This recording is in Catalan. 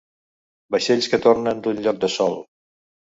Vaixells que tornen d’un lloc de sol.